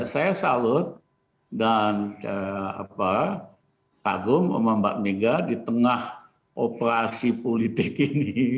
saya salut dan kagum sama mbak mega di tengah operasi politik ini